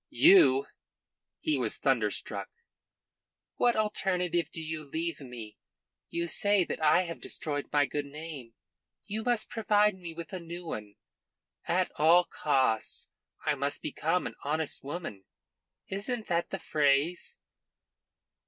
"You?" He was thunderstruck. "What alternative do you leave me? You say that I have destroyed my good name. You must provide me with a new one. At all costs I must become an honest woman. Isn't that the phrase?"